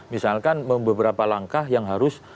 misalkan beberapa langkah yang harus